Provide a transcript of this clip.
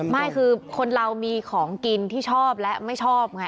ไม่คือคนเรามีของกินที่ชอบและไม่ชอบไง